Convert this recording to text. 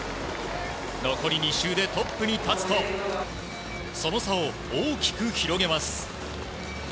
残り２周でトップに立つとその差を大きく広げます。